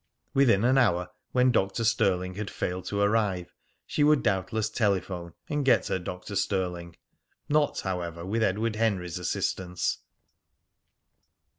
Within an hour, when Dr. Stirling had failed to arrive, she would doubtless telephone, and get her Dr. Stirling. Not, however, with Edward Henry's assistance!